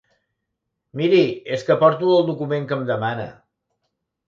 Miri, és que porto el document que em demana.